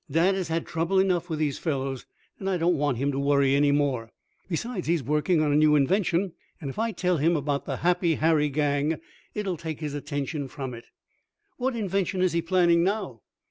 "Dad has had trouble enough with these fellows, and I don't want him to worry any more. Besides, he is working on a new invention, and if I tell him about the Happy Harry gang it will take his attention from it." "What invention is he planning now?"